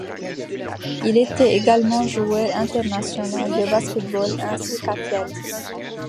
Il était également joueur international de basket-ball, ainsi qu'athlète.